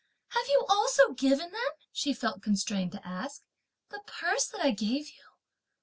"Have you also given them," she felt constrained to ask, "the purse that I gave you?